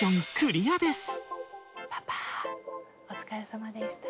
パパお疲れさまでした。